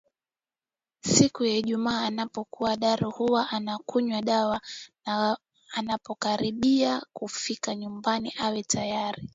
Siku ya ijumaa anapokuwa Dar huwa anakunywa dawa anapokaribia kufika nyumbani awe tayari